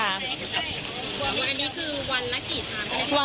อันนี้คือวันละกี่ชาร์จ